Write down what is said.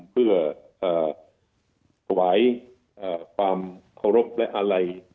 เพื่อไปสวัาสดิตความโครบและอาลัย